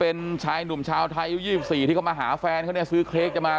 เป็นชายหนุ่มชาวไทยอายุ๒๔ที่เขามาหาแฟนเขาเนี่ยซื้อเค้กจะมา